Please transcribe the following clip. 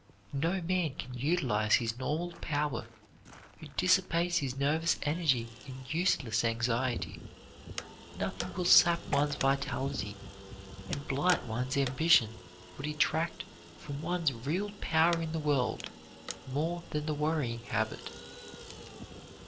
No man can utilize his normal power who dissipates his nervous energy in useless anxiety. Nothing will sap one's vitality and blight one's ambition or detract from one's real power in the world more than the worrying habit.